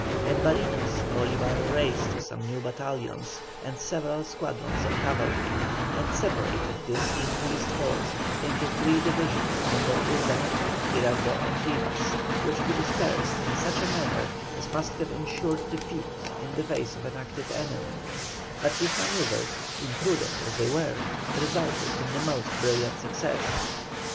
At Barinas, Bolívar raised some new battalions and several squadrons of cavalry, and separated this increased force into three divisions under Urdaneta, Girardot, and Rivas, which he dispersed in such a manner as must have ensured defeat in the face of an active enemy, but his manœuvres, imprudent as they were, resulted in the most brilliant success.